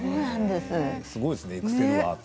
すごいですねエクセルアート。